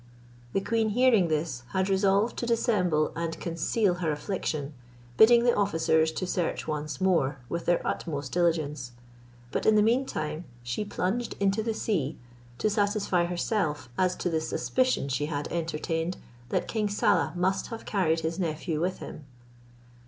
The queen hearing this, had resolved to dissemble and conceal her affliction, bidding the officers to search once more with their utmost diligence; but in the meantime she plunged into the sea, to satisfy herself as to the suspicion she had entertained that king Saleh must have carried his nephew with him.